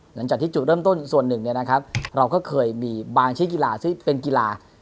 หลังจากที่จุดเริ่มต้นส่วนหนึ่งเราก็เคยมีบางชิ้นกีฬาซึ่งเป็นกีฬา